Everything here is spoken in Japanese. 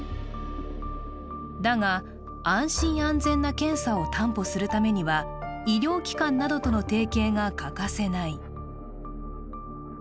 だが、安心・安全な検査を担保するためには、医療機関などとの提携が欠かせない。